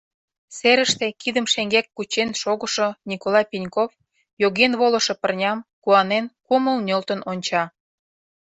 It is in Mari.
Серыште кидым шеҥгек кучен шогышо Николай Пеньков йоген волышо пырням, куанен, кумыл нӧлтын онча.